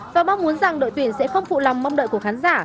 và mong muốn rằng đội tuyển sẽ không phụ lòng mong đợi của khán giả